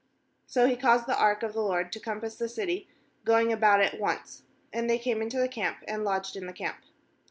uSo he caused the ark of the LORD to compass the city, going about it once; and they came into the camp, and lodged in the camp.